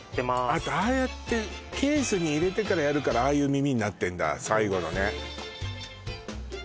あとああやってケースに入れてからやるからああいう耳になってんだ最後のね